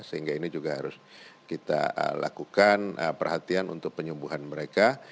sehingga ini juga harus kita lakukan perhatian untuk penyembuhan mereka